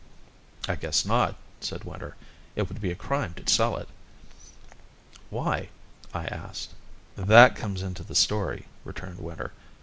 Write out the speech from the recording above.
"I guess not," said Winter. "It would be a crime to sell it." "Why?" I asked. "That comes into the story," returned Winter.